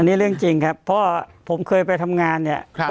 นี่เรื่องจริงครับเพราะผมเคยไปทำงานเนี่ย